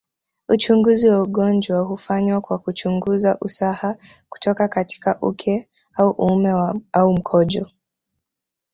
Uchunguzi wa ugonjwa hufanywa kwa kuchungunza usaha kutoka katika uke au uume au mkojo